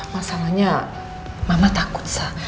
masalahnya mama takut se